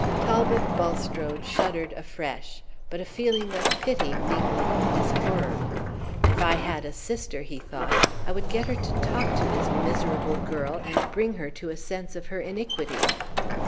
Talbot Bulstrode shuddered afresh; but a feeling of pity mingled with his horror. "If I had a sister," he thought, "I would get her to talk to this miserable girl, and bring her to a sense of her iniquity."